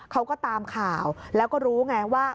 เขาก็ตามข่าวแล้วก็รู้ไงว่า